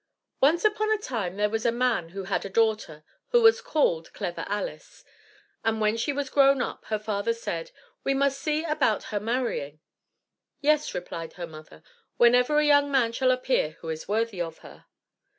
Once upon a time there was a man who had a daughter, who was called "Clever Alice;" and when she was grown up, her father said, "We must see about her marrying." "Yes," replied her mother, "whenever a young man shall appear who is worthy of her."